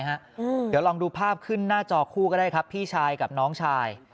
เดี๋ยวลองดูภาพขึ้นหน้าจอคู่ก็ได้ครับพี่ชายกับน้องชาย